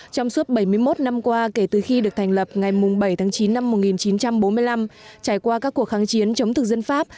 trong suốt bảy mươi một năm qua kể từ khi được thành lập ngày bảy tháng chín năm một nghìn chín trăm bốn mươi năm trải qua các cuộc kháng chiến chống thực dân pháp